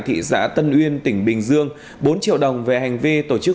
thông tin từ công an thị xã tân uyên của tỉnh bình dương bốn triệu đồng về hành vi tổ chức